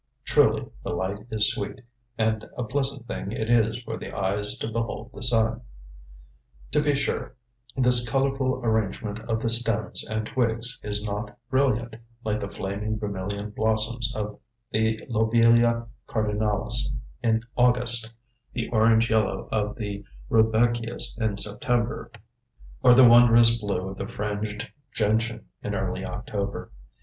"Truly the light is sweet and a pleasant thing it is for the eyes to behold the sun." To be sure, this colorful arrangement of the stems and twigs is not brilliant, like the flaming vermilion blossoms of the Lobelia cardinalis in August, the orange yellow of the rudbeckias in September, or the wondrous blue of the fringed gentian in early October.